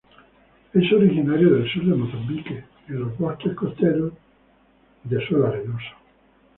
Es originario del sur de Mozambique en los bosques costeros en suelo arenoso.